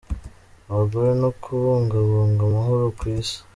Abagore no kubungabunga amahoro ku Isi.